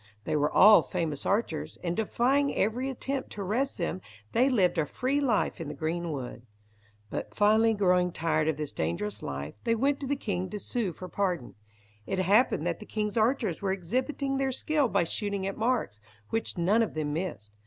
They were all famous archers, and defying every attempt to arrest them, they lived a free life in the green wood. But finally growing tired of this dangerous life, they went to the king to sue for pardon. It happened that the king's archers were exhibiting their skill by shooting at marks, which none of them missed.